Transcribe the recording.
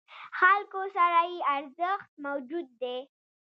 خلکو سره یې ارزښت موجود دی.